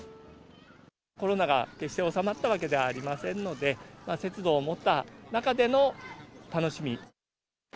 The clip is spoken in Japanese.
コロナが決して収まったわけではありませんので、節度を持った中での楽しみ。